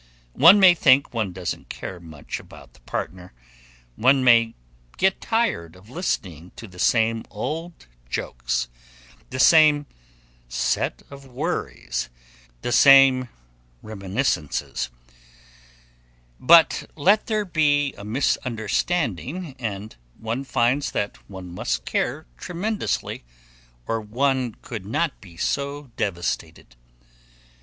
One may think one doesn't care much about the partner, one may get tired of listening to the same old jokes, the same set of worries, the same reminiscences; but let there be a misunderstanding, and one finds that one must care tremendously or one could not be so devastated.